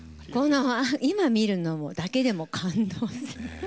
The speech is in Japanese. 今見るだけでも感動する。